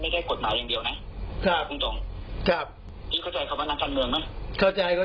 ถ้าอยากลองก็เจอกันถ้าคิดว่าแน่นะ